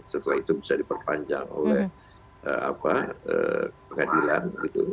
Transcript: setelah itu bisa diperpanjang oleh pengadilan